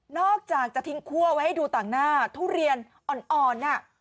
อกจากจะทิ้งคั่วไว้ให้ดูต่างหน้าทุเรียนอ่อน